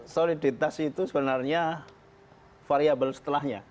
soliditas itu sebenarnya variable setelahnya